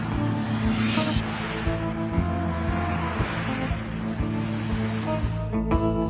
กลัวดิ